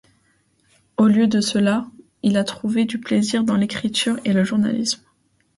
Au lieu de cela, il a trouvé du plaisir dans l'écriture et le journalisme.